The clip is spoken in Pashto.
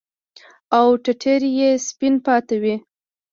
او ټټر يې سپين پاته وي.